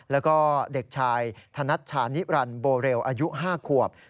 แล้วก็เด็กชายธนัชชานิรันดิโบเรลอายุ๕ขวบ